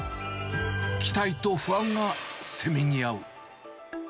期待と不安がせめぎ合う。